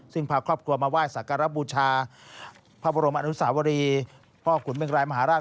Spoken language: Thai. ซึ่งพาครอบครัวมาไหว้สักการบูชาพระบรมอนุสาวรีพ่อขุนเมืองรายมหาราช